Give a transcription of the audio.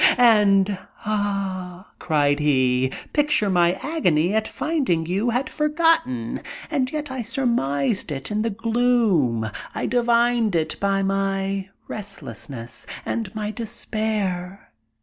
"And, ah!" cried he, "picture my agony at finding that you had forgotten. And yet I surmised it in the gloom. I divined it by my restlessness and my despair.